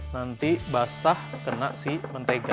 nanti basah kena si mentega